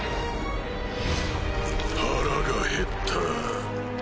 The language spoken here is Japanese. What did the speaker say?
腹がへった。